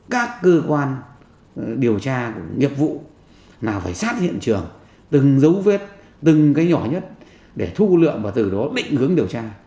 các cơ quan điều tra nghiệp vụ là phải sát hiện trường từng dấu vết từng cái nhỏ nhất để thu lượng và từ đó định hướng điều tra